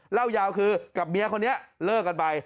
เล่ายาวคือกับเมียคนนี้เลิกกันไป